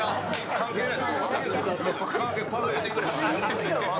関係ない。